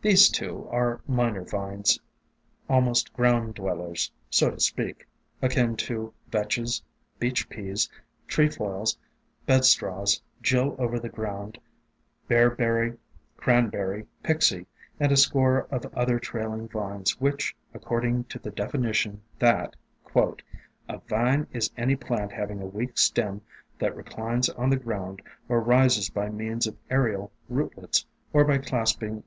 These two are minor vines, — almost ground dwellers, so to speak, — akin to Vetches, Beach Peas, Trefoils, Bedstraws, Jill over the ground, Bearberry, Cranberry, Pyxie, and a score of other trailing vines which, accord ing to the definition that " a vine is any plant having a weak stem that reclines on the ground, or rises by means of aerial rootlets, or by clasping CREEPER r "THOW4NO ITS LOVELY OVER ROCKS, TREES, OR CRUMBL1 NG RUINS